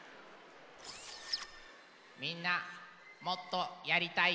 みんなもっとやりたい？